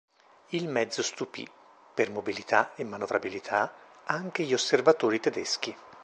Il mezzo stupì, per mobilità e manovrabilità, anche gli osservatori tedeschi.